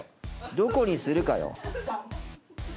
どこにするかよ